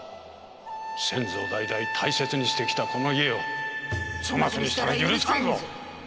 先祖代々大切にしてきたこの家を粗末にしたら許さんぞ。